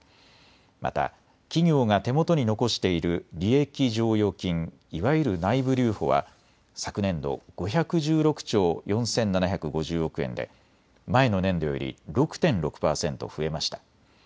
また、企業が手元に残している利益剰余金、いわゆる内部留保は昨年度、５１６兆４７５０億円で前の年度より６．６％増えました。